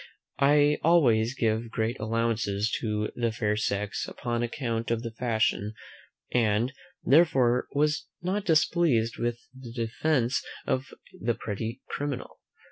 I always give great allowances to the fair sex upon account of the fashion, and, therefore, was not displeased with the defence of the pretty criminal.